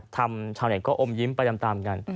ทำชาวเน็ตก็อมยิ้มประจำตามกัน